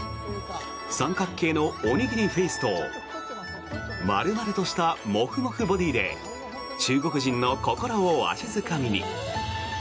三角形のおにぎりフェースと丸々としたモフモフボディーで中国人の心をわしづかみに。